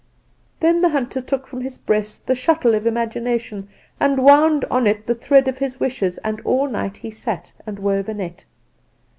"Then the hunter took from his breast the shuttle of Imagination, and wound on it the thread of his Wishes; and all night he sat and wove a net.